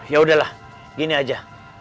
yaudahlah gini aja